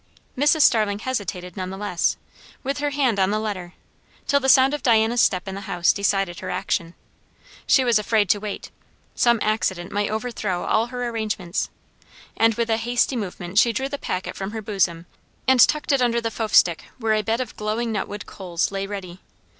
Mrs. Starling hesitated nevertheless, with her hand on the letter, till the sound of Diana's step in the house decided her action. She was afraid to wait; some accident might overthrow all her arrangements; and with a hasty movement she drew the packet from her bosom and tucked it under the fofestick, where a bed of glowing nutwood coals lay ready.